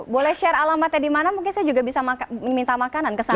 boleh share alamatnya di mana mungkin saya juga bisa meminta makanan ke sana